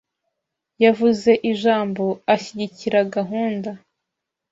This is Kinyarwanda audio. Yavuze ijambo ashyigikira gahunda .